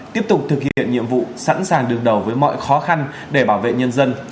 tiếp tục thực hiện nhiệm vụ sẵn sàng đứng đầu với mọi khó khăn để bảo vệ nhân dân